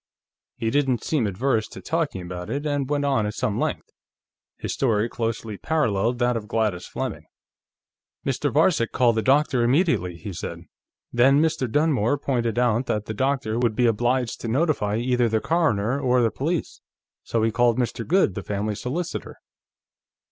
He didn't seem averse to talking about it, and went on at some length. His story closely paralleled that of Gladys Fleming. "Mr. Varcek called the doctor immediately," he said. "Then Mr. Dunmore pointed out that the doctor would be obliged to notify either the coroner or the police, so he called Mr. Goode, the family solicitor.